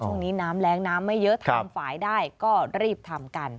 ช่วงนี้น้ำแรงน้ำไม่เยอะทำฝ่ายได้ก็รีบทำกัน